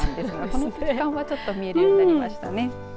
この時間は、ちょっと見えるようになりましたね。